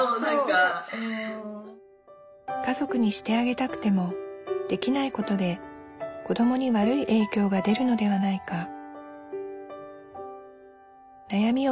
家族にしてあげたくてもできないことで子どもに悪い影響が出るのではないか。